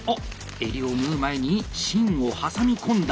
襟を縫う前に芯を挟み込んだ！